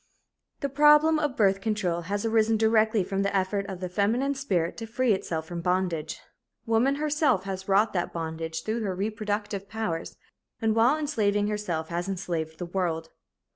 The problem of birth control has arisen directly from the effort of the feminine spirit to free itself from bondage. Woman herself has wrought that bondage through her reproductive powers and while enslaving herself has enslaved the world.